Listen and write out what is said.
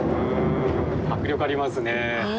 迫力ありますね。